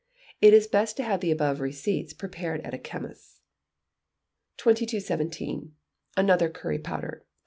It is best to have the above receipts prepared at a chemist's. 2217. Another Curry Powder (3).